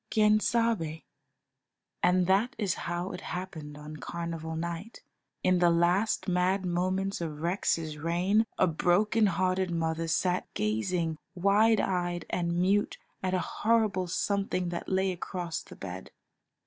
Quien sabe? And that is how it happened on Carnival night, in the last mad moments of Rex's reign, a broken hearted mother sat gazing wide eyed and mute at a horrible something that lay across the bed.